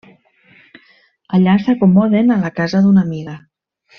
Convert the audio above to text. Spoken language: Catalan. Allà s'acomoden a la casa d'una amiga.